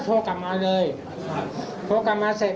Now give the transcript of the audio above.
ใช้เวลาประมาณ๒๘นิตย์